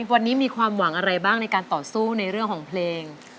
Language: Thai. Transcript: วันนี้มีความหวังอะไรบ้างในการต่อสู้ในเรื่องของเพลง